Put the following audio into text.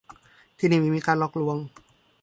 ที่นี่ไม่มีการหลอกลวง